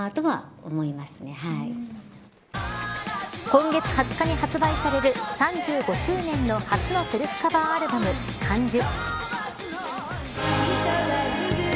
今月２０日に発売される３５周年の初のセルフカバーアルバム、感受。